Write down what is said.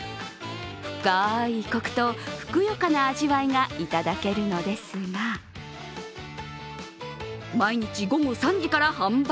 深いこくと、ふくよかな味わいがいただけるのですが、毎日午後３時から販売。